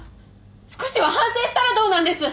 少しは反省したらどうなんです！